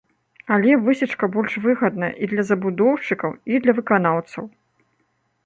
Але высечка больш выгадная і для забудоўшчыкаў, і для выканаўцаў.